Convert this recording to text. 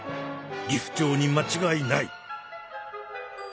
ギフチョウにまちがいない。